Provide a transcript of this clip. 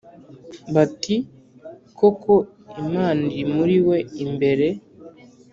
Bati:” Koko Imana iri muriwe imbere.”